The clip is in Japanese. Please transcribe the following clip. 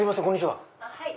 はい。